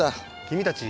君たち